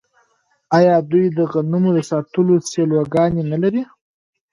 آیا دوی د غنمو د ساتلو سیلوګانې نلري؟